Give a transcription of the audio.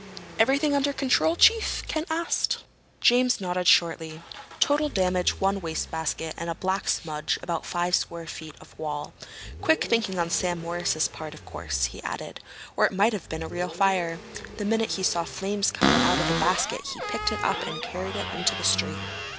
"Everything under control, Chief?" Ken asked. James nodded shortly. "Total damage one wastebasket and a black smudge on about five square feet of wall. Quick thinking on Sam Morris's part, of course," he added, "or it might have been a real fire. The minute he saw flames coming out of the basket he picked it up and carried it into the street."